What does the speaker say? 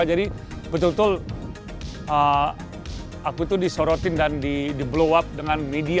jadi betul betul aku itu disorotin dan di blow up dengan media